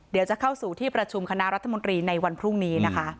เดี๋ยวจะเข้าสู่ที่ประชุมคณะรัฐมนตรีในวันพรุ่งนี้นะคะ